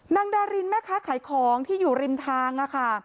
นางดารินแม่ค้าขายของที่อยู่ริมทางค่ะ